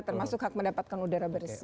termasuk hak mendapatkan udara bersih